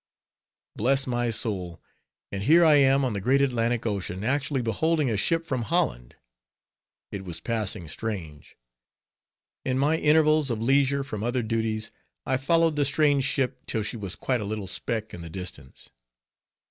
_ Bless my soul! and here I am on the great Atlantic Ocean, actually beholding a ship from Holland! It was passing strange. In my intervals of leisure from other duties, I followed the strange ship till she was quite a little speck in the distance.